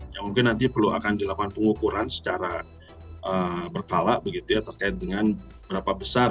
ya mungkin nanti perlu akan dilakukan pengukuran secara berkala begitu ya terkait dengan berapa besar